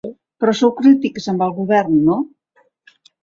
Però sou crítics amb el govern, no?